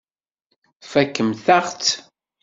Tfakemt-aɣ-tt.